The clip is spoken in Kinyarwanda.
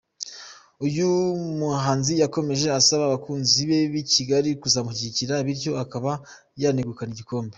Uyu muhanzi yakomeje asaba abakunzi be b’i Kigali kuzamushyigikira bityo akaba yanegukana igikombe.